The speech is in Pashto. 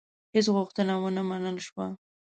هیڅ غوښتنه ونه منل شوه.